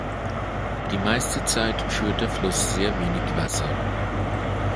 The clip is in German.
Die meiste Zeit führt der Fluss sehr wenig Wasser.